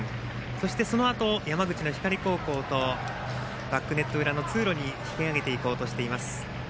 そして、そのあと山口の光高校とバックネット裏の通路に引き揚げていこうとしています。